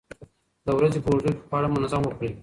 د ورځې په اوږدو کې خواړه منظم وخورئ.